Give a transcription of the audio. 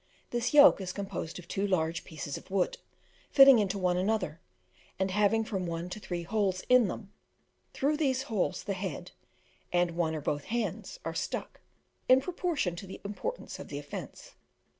This yoke is composed of two large pieces of wood, fitting into one another, and having from one to three holes in them; through these holes the head, and one or both hands, are stuck, in proportion to the importance of the offence.